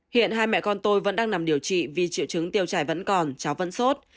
hiện hai mẹ con tôi vẫn đang nằm điều trị vì triệu chứng tiêu chảy vẫn còn cháu vẫn sốt